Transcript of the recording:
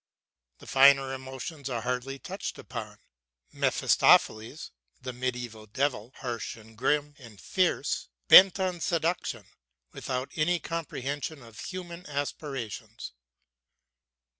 The finer emotions are hardly touched upon. Mephistopheles is the medieval devil, harsh and grim and fierce, bent on seduction, without any comprehension of human aspirations.